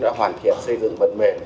đã hoàn thiện xây dựng phần mềm